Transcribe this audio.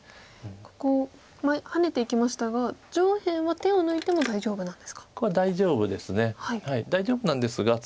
ここをハネていきましたが上辺は手を抜いても大丈夫なんですか。